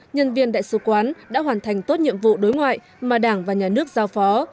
nhân viên đại sứ quán đã hoàn thành tốt nhiệm vụ đối ngoại mà đảng và nhà nước giao phó